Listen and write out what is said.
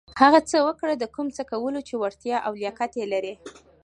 هغه څه وکړه د کوم څه کولو چې وړتېا او لياقت لرٸ.